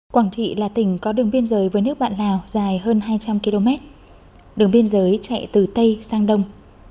quảng trị là tỉnh có đường biên giới với nước bạn lào dài hơn hai trăm linh km đường biên giới chạy từ tây sang đông